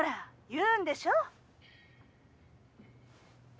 言うんでしょ！